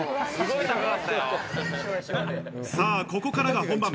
さぁ、ここからが本番。